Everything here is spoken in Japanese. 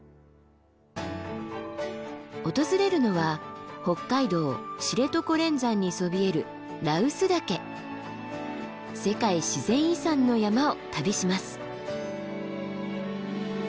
訪れるのは北海道知床連山にそびえる世界自然遺産の山を旅します。